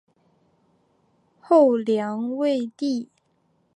后梁末帝朱友贞干化二年敦煌迎来一位新的统治者曹议金。